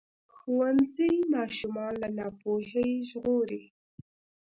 ښوونځی ماشومان له ناپوهۍ ژغوري.